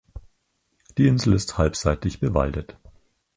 Die Insel ist halbseitig bewaldet.